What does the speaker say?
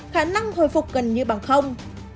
khả năng hồi phục gần như bằng không